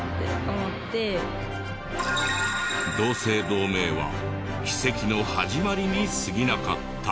同姓同名は奇跡の始まりに過ぎなかった。